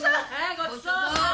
ごちそうさん。